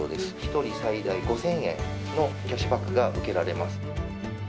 １人最大５０００円のキャッシュバックが受けられます。